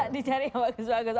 dicari yang bagus bagus